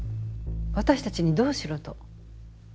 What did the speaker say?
私たちにどうしろと？